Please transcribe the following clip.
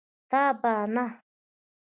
تابانه